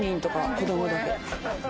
子どもだけ。